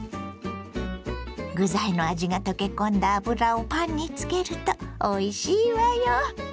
具材の味が溶け込んだ油をパンにつけるとおいしいわよ！